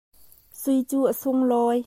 Sui cu a sunglawi.